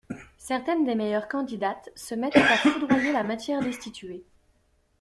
Certaines des meilleures candidates se mettent à foudroyer la matière destituée.